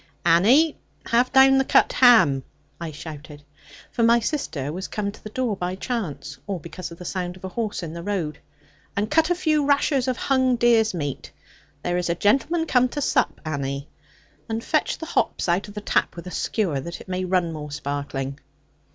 'Annie, have down the cut ham,' I shouted, for my sister was come to the door by chance, or because of the sound of a horse in the road, 'and cut a few rashers of hung deer's meat. There is a gentleman come to sup, Annie. And fetch the hops out of the tap with a skewer that it may run more sparkling.'